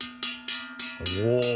お！